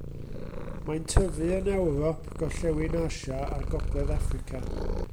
Mae'n tyfu yn Ewrop, gorllewin Asia a gogledd Affrica.